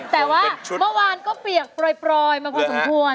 แต่ว่าเมื่อวานก็เปียกปล่อยมาพอสมควร